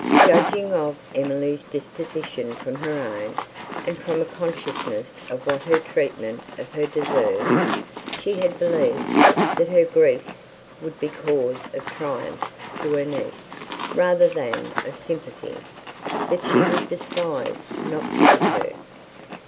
Judging of Emily's disposition from her own, and from a consciousness of what her treatment of her deserved, she had believed, that her griefs would be cause of triumph to her niece, rather than of sympathy; that she would despise, not pity her.